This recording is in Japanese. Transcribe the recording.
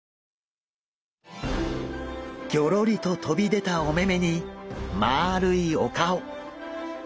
ぎょろりと飛び出たお目目にまあるいお顔。